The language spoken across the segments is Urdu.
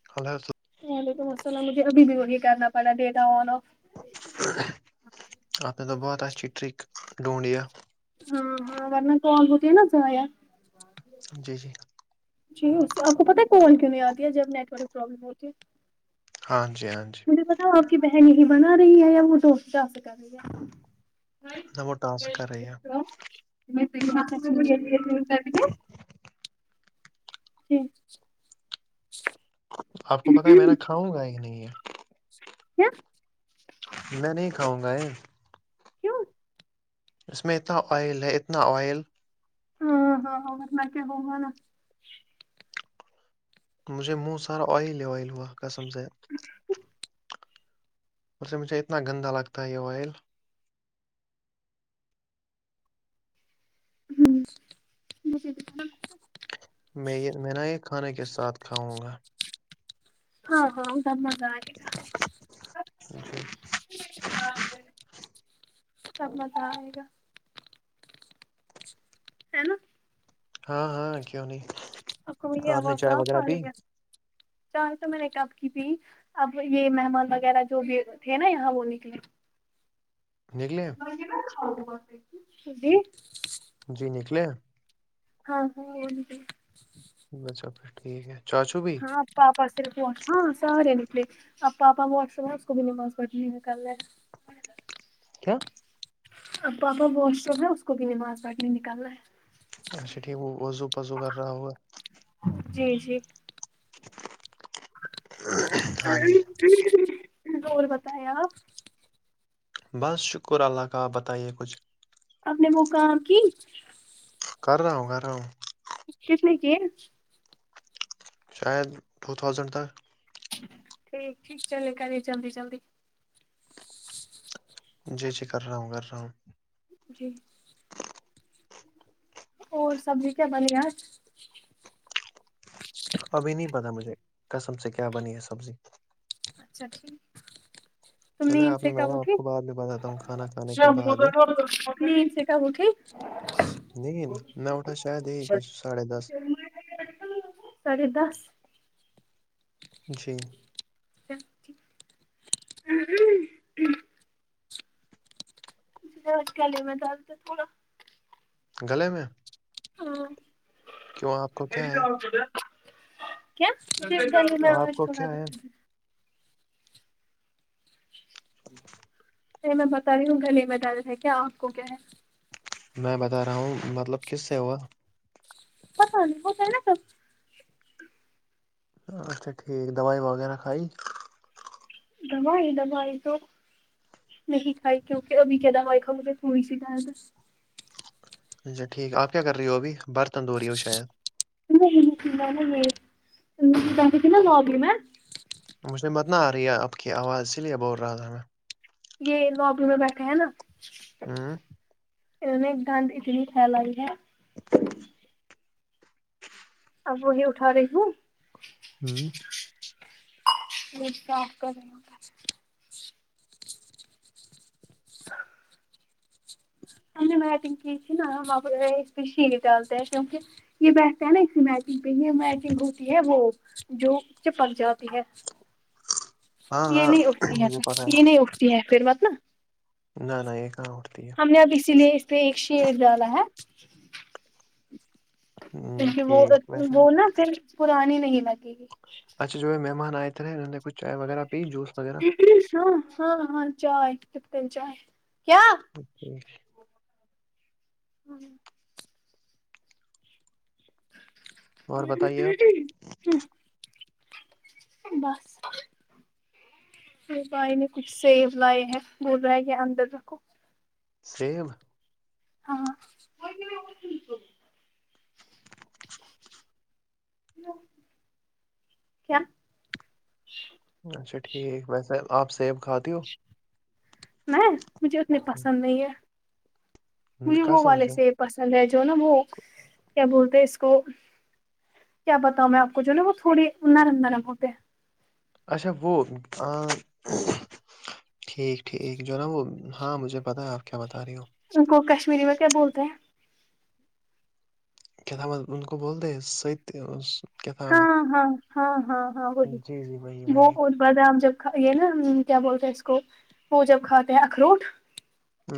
[unintelligible] وعلیکم السلام مجھے ابھی بھی وہی کرنا پڑا ڈیٹا آن آف اپ نے تو بہت اچھی ٹرک ڈھونڈی ہے ہاں ہاں ورنہ کال ہوتی ہے نا زایاہ جی جی جی اس سے آپ کو پتتا ہے کوال کیوں نہیں آتی ہے جب نیٹ ورک پرابلم ہوتی ہے ہاں جی ہاں جی مجھے بتا آپ کی بہن یہی بنا رہی ہے یا وہ دوست جا سے کر رہی ہے وہ ٹاسک کر رہی ہے ہاں [unintelligible] [unintelligible] جی آپ کو پتاہ ہے میںا کھاؤں گا ایک نہیں ہے کیا کاؤں گا یہ کیوں اس میں اتنا آئل ہے اتنا آئل ہاں ہاں لک ہووم نا مجھے منہ سارا آئل ہی آئل ہوا قسم زید اورھ اتنا گندہ لگتا ہے یہ آئل ہوں میں یہ میں نا یہ کھانے کے ساتھ کھاؤں گا ہاں ہاں سمان کا جی سب مزہ آئے گا ہے نا ہاں ہاں کیوں نہیں کوئی آپ نے چائے صا وغیرہ پی گ چاہے تو میں نے کب کی بھی اب یہ مہمان وغیرہ جو بھی تھے نا یہاں وہ نکلے نکلے ہیں ی [unintelligible] جی نکلے ہاں ہاں چب پھر ٹھیک ہے چارچ ہاں پاپا صرف واش ہاں سارے نکلے اب پاپا واش اس کو بھی نماز پڑھنی نکلنے کیا اب پاپا واش روم ہے اس کو بھی نماز پٹنے نکل رہا ہے اچھا ٹھیک وہ وزو پزو کر رہا ہوا جی جی [unintelligible] ہاں جی اورور پتا بس شکر اللہ کا بتائیے کچھ آپ نے وہ کہاں کی کر رہاوں کر رہاؤوں کشنے کی شاید ٹو تھاؤزنڈ تک ٹھیک ٹھیک چلے کرے جلدی جلدی جی جی کر رہا ہوں کر رہا ہوں جی اور سبز کیا بنیا ابھی نہیں پتا مجھے کسم سے کیا بنی ہے سبزی اچھاٹھ چلے تو آپ نے تھے میں کابو نا آپ تھی کو بعد میں بتاتا ہوں کھانا کھانے کے بعد جی س کا مکھی نہیں میں اٹھا شاید یہی کچھ ساڑھے دس ساڑھے دس جی [unintelligible] ج ا کیالی میں چل تو تھوڑا گلے میں ہاں کیوں آپ کو کیا ہے ج آپ کو تھوڑا کیا د ہے س میں بتا رہی ہوں گلی میں جانے سے کیا آپ کو کیا ہے میں بتا رہا ہوں مطلب کس سے ہوا پتا نہیں ہوتا ہے نا سب اچھا ٹھیک دوائی وغیرہ کھائی دب آ دب آئی تو نہیں کھائی کیونکہ ابھی کہا وائی کاؤ گے تھوڑی س گ اچھا ٹھیک آ کیا کر رہی ہو ابھی بر تندوری ہو شاید سٹ ب کی نا لابلم ہے مجھ میں مت نہ آ رہی ہے آپ کی آواز اس لیے بول رہا تھا میں یہ لوبی میں بیٹھے ہیں نا ہوں انیں گند اتنی ھیلاگ ہے [inaudible] اب وہی اٹھا رہی ہوں ہوں م کاف کر ہو [unintelligible] ینگ کیھی نا اس شیالد ہے کیونکہ یہ بہستے ہیں نا اسی می میں بوتی ہے وہ جو چپک جات ہاں یہ ہاں نہیں اٹھتی ہے س مجھے پتا یہ ہے نہیں اٹھتی ہے پھر بات نا نہ نہ یہ کہاں اٹھتی ہے ہم نے اب اسی لیے اس لیے ایک شر ڈا ہے ہ کیونکہ وہ ٹھیک ویسے وہ نا پھر پرانی نہیں لگے گی اچھا جو ہے مہمان آئے تھے انہ نے کچھ چائے وغیرہ پی جوس وغیرہ ہاں ہاں ہاں چائے تپتل چائے کیا [unintelligible] [unintelligible] اور بتائیے آپ [unintelligible] بس پ بھائی نے کچھ سیو لائے ہیں وہ رہ گیا اندر رکھو [unintelligible] ہاں کیا اچھا ٹھیک ویسے آپ سیب کھاتی ہو میں مجھے اتنی پسند نہیں ہے مجھے وہ والے سے پسند ہے جو نا وہ کیا بولتے اس کو کیا بتاؤں میں آپ کو جو نا وہ تھوڑی نرم نرم ہوتے ہیں اچھا وہ ٹھیک ٹھیک جو نا وہ ہاں مجھے پتا ہے آپ کیا بتا رہی ہو ان کو کشمیری میں کیا بولتے ہیں کتاامت ان کو بولتے س ہاں ہاں ہاں ہاں ہاں وای جی جی وہی وہ وہی بادام جب کھ یہ نا کیا بولتے ہیں اس کو وہ جب کھاتے ہیں اخروٹ ہ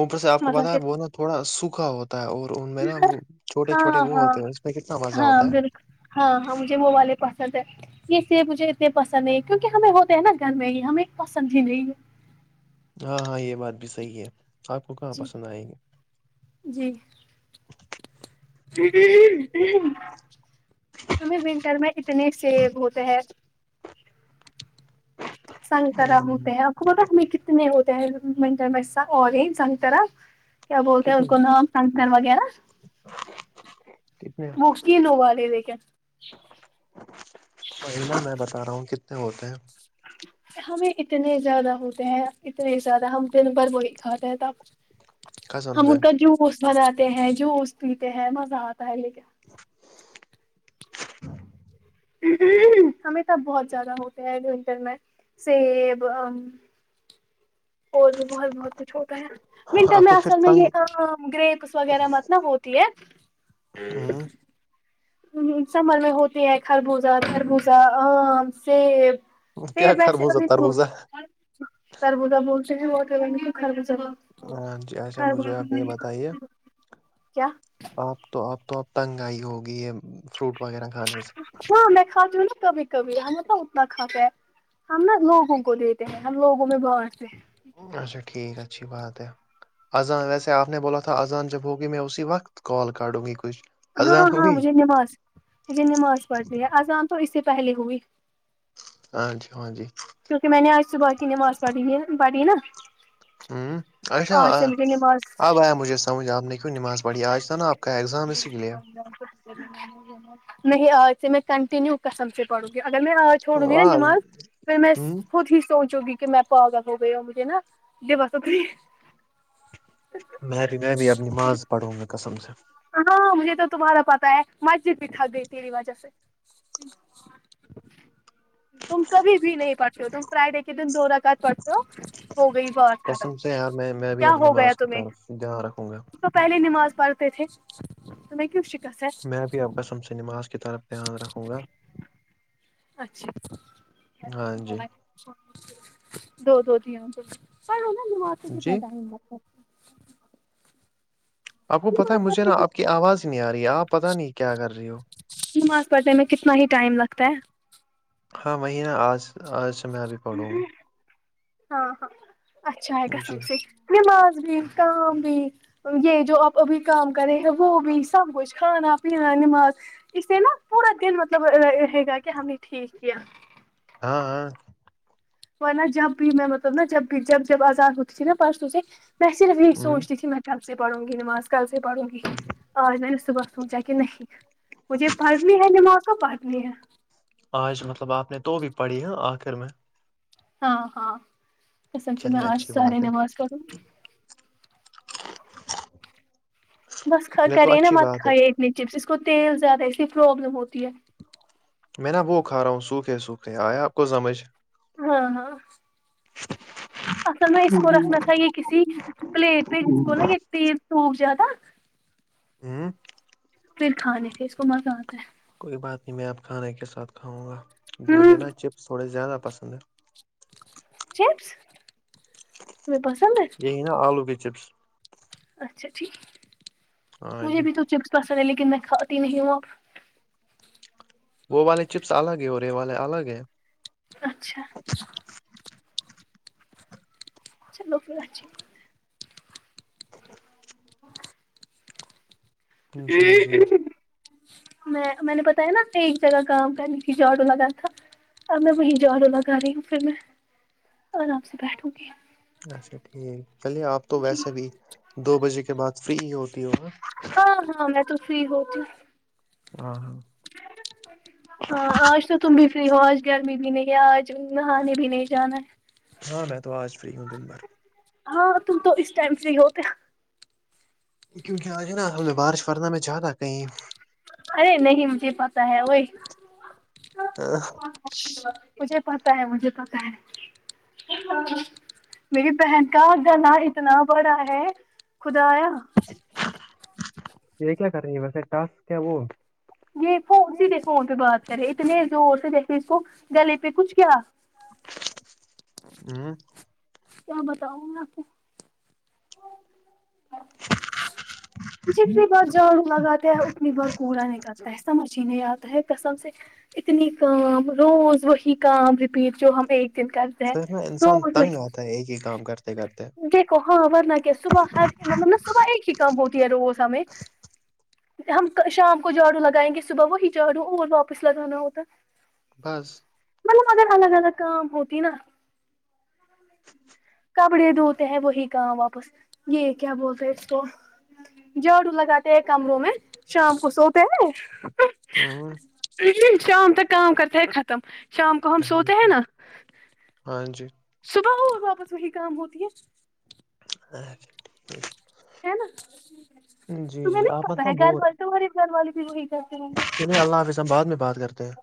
اوپر سے آپ کو مزہ پتا کے ہے وہ نا تھوڑا سوکھا ہوتا اور ان میں نا وہ چھوٹے چھوٹے ہاں وہ ہاں ہوتے ہیں اس میں کتنا مزہ ہاں ہوتا ہے بالکل ہاں ہاں مجھے وہ والے پسند ہے یہ س مجھے اتنے پسند نہیں کیونکہ ہمیں ہوتے ہیں نا گھر میں یہ ہمیں پسند بھی نہیں ہے ہاں ہاں یہ بات بھی صحیح ہے آپ کو کہاں جی پسند آئےیں گے جی ہمیں ونٹر میں اتنے سیب ہوتے ہے گے سنگترا ہوں، ہوتے ہیں آپ کو پتا ہمیں کتنے ہوتے ہیں منٹر میںس اور یہ سنگترا کیا بولتے کتنے ہیں نام سگتر وغیرہ وہ کینو وا لے دے کیا پہلا میں بتا رہا ہوں کتنے ہوتے ہیں ہمیں اتنے زیادہ ہوتے ہیں اتنے زیادہ ہم دن بھر وہی کھاتے ہیں تب قسم ہم سے ان کا جوس بناتے ہیں جوس پیتے ہیں مزہ آتا ہے لیکن [unintelligible] ہمیں تب بہت زیادہ ہوتے ہیں ونٹر میں سیب اور بھی بہت بہت کچھ ہوتا ہے ونٹر آپ میں تو اصل پھر میں تنگ یہ ام گریپس وغیرہ مت نہ ہوتی ہے ہ سمر میں ہوتے ہے خربوزہ تربوزہ آم سیب کیا سیب ویسے خربوزہ ابھی کیو ہو تربوزہ تربوز بولتے ہیں وارثین کو خربوزہ ہاں جی اچھا مجھے آپ بولتے یہ ہیں بتائیے کیا آپ تو آپ تو اپ تنگ آ ہی ہوگی یہ فروٹ وغیرہ کھانے سے ہاں میں کھاتی ہوں نا کبھی کبھی ہم تھا اتنا کھاتے ہیں ہم نا لوگوں کو دیتے ہیں ہم لوگوں میں بانٹتے ہے اچھا ٹھیک اچھی بات ہے اذان ویسے آپ نے بولا تھا اذان جب ہوگی میں اسی وقت کال کاڈوں گی کچھ ہاں اذان ہاں ہوئی مجھے نماز مجھے نماز پڑھنی ہے آزان تو اس سے پہلے ہوئی ہاں جی ہاں جی کیونکہ میں نے آج صبح کی نماز پڑھی پڑھی نا ہ اچھا آج سے مجھے نماز اب آیا مجھے سمجھ آپ نے کیوں نماز پڑھی آج تھا نا آپ کا ایگزام اسی کے لیے [unintelligible] نہیں آج سے میں کنٹینیو قسم سے پڑوں گی اگر میں آج چھوڑوں گی نا ہاں نماز ہوں پھر میں خود ہی سوچوں گی کہ میں پاگل ہو گیے ہو مجھے نا دماغ میں بھی نا اب نماذ پڑھوں گا قسم سے ہاں مجھے تو تمہارا پتاہ ہے مسجد بھی تھک گئی تیری وجہ سے تم کبھی بھی نہیں پڑھتے ہو تم فرائیڈے کے دن دو رقات پڑھتے ہو ہو گئی بات قسم ختم سے ار میں بھی کیا اب ہو گیا نماز کی تمہیں طرف دھیان رکھوں گا تو پہلے نماز پڑھتے تھے تمہیں کیوں شکست ہے میں بھی آپ کا قسم سے نماز کی طرف دھیان رکھوں گا اچھا ہاں جی دو دو دیا چل پڑھو نماز میں کتنا جی ٹائم لگتاا آپ کو پتاہ ہے نماز مجھے پڑھنے نا آپ کی آواز نہیں آ رہی ہے آپ پتاہ نہیں کیا کر رہی ہو نماز پڑنے میں کتنا ہی ٹائم لگتا ہے ہاں وہہینہ آج آج سے میں ابھی پڑوں گا ہاں ہاں اچھا ہے گا قسم جی سے نماز بھی کا بھی یہ جو آپ ابھی کام کرے ہیں وہ بھی سب کچھ کھانا پینا نماز اسے نا پورا دن مطلب ہے گا کہ ہمیں ٹھیک کیا ہاں ہاں ہو نا جب بھی میں مطلب ن جب بھی جب جب آزاد ہوتی تھی نا پرسو سے میں صرف یہی ہوں سوچتی تھی میں کل سے پڑھوں گی نماز کل سے پڑھوں گی آج میں نے صبح سوچا کہ نہیں مجھے پڑھنی ہے نماز تو پڑھنی ہے آج مطلب آپ نے تو بھی پڑھی ہے آخر میں ہاں ہاں تو سب سے میں چلیے آج اچھی ساری بات ہے نماز کروں بس یہ تو کریے نا اچھی مت بات ہے کھائیے اتنے چپس اس کو تیل زیادہ ہے اس لیے پروابلم ہوتی ہے میں نا وہ کھا رہا ہوں سوکھے سوکھے آئے آپ کو سمجھ ہاں ہاں اصل میں اس کور رکھ ناتھا یہ کسی پلیٹ پے اس کونا یہ تیل سوکھ جاتا [unintelligible] پھر کھانے تھے اس کو مزہ آتا ہے کوئی بات نہیں میں اب کھانے کے ساتھ کھاؤں گا ہے مجھے ہوں نا چپس تھوڑے زیادہ پسند ہیں چپس تمیں پسند ہے یہ نا آلو کے چپس اچھا ٹھیک ہاں مجھے جی بھی تو چپس پسند ہے لیکن میں کھاتی نہیں ہوں اب وہ والے چپس الگ ہے اور رے والے الگ ہے اچھا چلوپھر اچھے جی جی [unintelligible] میں میں نے بتیا نا ایک جگہ کام کرنے کی جاوب لگا تھا اب میں وہیں جوڑو لگا رہی ہوں پھر میں آرام سے بیٹھوں گی اچھا ٹھیک چلیے آپ تو جی ویسے بھی دو بجے کے بعد فری ہی ہوتی ہو نا ہاں ہاں میں تو فری ہوتی ہوں ہاں ہاں ہاں آج تو تم بھی فری ہو آج گرمی بھی نہیں آج نہانے بھی نہیں جانا ہے ہاں میں تو آج فری ہوں دن بھر ہاں تم تو اس ٹائم سے ہی ہوتے کیونکہ آج ہے نا بارش ورنا میں جاتا کہیں ارے نہیں مجھے پتا ہے وہی ہاں مجھے پتا ہے مجھے پتا ہے میری پہن کا گلا اتنا بڑا ہے خدایا یہ کیا کر رہی ہیں ویسے ٹاسک کیا وہ یہ فو سیدھے فون پہ بات کرے اتنے زور سے جیسے اس کو گلے پہ کچھ کیا ہوں کیا بتاؤں آپ کو جتنی بار جاڑوںگا اتنی بار کوڑا نکالتا سمجھ ہی نہیں آتا ہے قسم سے اتنی کام روز وہی کام رپیٹ جو ہم ایک دن کر پھر نا انسان تنگ آتا ہے ایک ہی کام کرتے کرتے دیکھو ہاں ورنہ کیا صبح ہر مطلب نہ صبح ایک ہی کام ہوتی ہے روزو ہمیں ہم شام کو جھاڑو لگائیں گے صبح وہی جھاڑو اور واپس لگانا ہوتا بس مطلب اگر الگ الگ کام ہوتی نا کپڑے دھوتے ہیں وہی کام واپس یہ کیا بولتے اس کو جھاڑو لگاتے ہیں کمروں میں شام کو سوتے ہیں ہاں شام تک کا م کرتے ہے ختم شام کو ہم سوتے ہیں نا ہاں جی صبح ہو اور واپس وہی کام ہوتی ہے اچا ٹھیک ہے نا جی تمہیں جی نہیں پتا ہے گھر والے تو غریب گھر والی بھی وہی کرتے ہوں چلیں گے اللہ حافظبعد میں بات کرتے ہیں